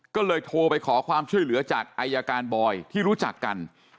ก็เลยโทรไปขอความช่วยเหลือจากอายการบอยที่รู้จักกัน